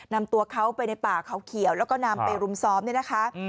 นำตัวเขาไปในป่าเขาเขียวแล้วก็นำไปรุมซ้อมเนี่ยนะคะ